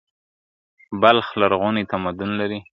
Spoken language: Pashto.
بلخ لرغونی تمدن لري.